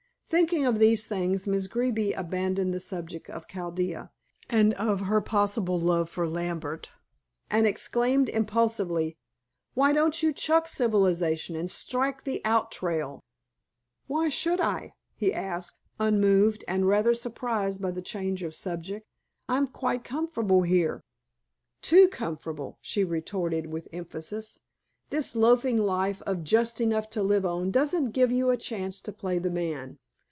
Thinking of these things, Miss Greeby abandoned the subject of Chaldea, and of her possible love for Lambert, and exclaimed impulsively, "Why don't you chuck civilization and strike the out trail?" "Why should I?" he asked, unmoved, and rather surprised by the change of the subject. "I'm quite comfortable here." "Too comfortable," she retorted with emphasis. "This loafing life of just enough to live on doesn't give you a chance to play the man.